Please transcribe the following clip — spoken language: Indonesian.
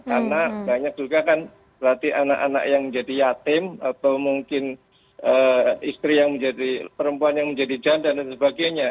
karena banyak juga kan berarti anak anak yang menjadi yatim atau mungkin istri yang menjadi perempuan yang menjadi janda dan sebagainya